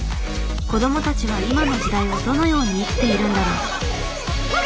子どもたちは今の時代をどのように生きているんだろう。